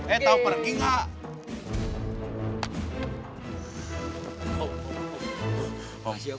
eh tau pergi gak